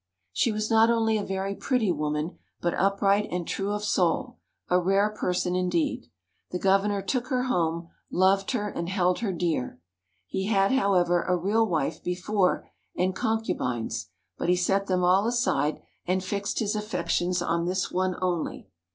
She was not only a very pretty woman, but upright and true of soul a rare person indeed. The Governor took her home, loved her and held her dear. He had, however, a real wife before and concubines, but he set them all aside and fixed his affections on this one only.